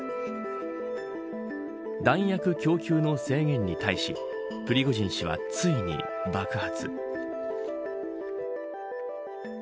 弾薬供給の制限に対しプリゴジン氏はついに爆発。